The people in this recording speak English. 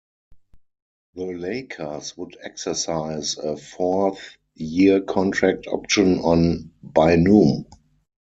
The Lakers would exercise a fourth-year contract option on Bynum.